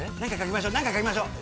何か書きましょう。